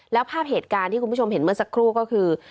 แล้วภาพเหตุการณ์ที่คุณผู้ชมเห็นเมื่อสักครู่ก็คือ